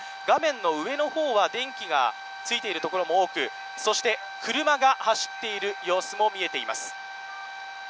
画面の上の方は電気がついているところも多く、そして車が走っている様子も見えています。